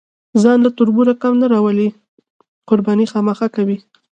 ځان له تربوره کم نه راولي، قرباني خامخا کوي.